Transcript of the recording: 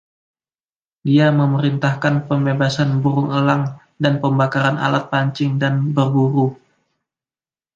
Dia memerintahkan pembebasan burung elang dan pembakaran alat pancing dan berburu.